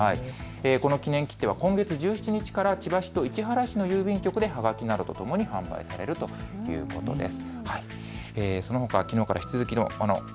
この記念切手は今月１７日から千葉市と市原市の郵便局ではがきなどとともに販売されるということです。